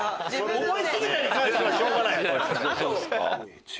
「思いすぎた」に関してはしょうがない。